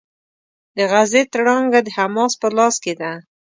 د غزې تړانګه د حماس په لاس کې ده.